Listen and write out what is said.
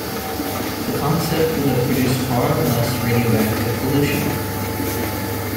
This concept would have produced far less radioactive pollution.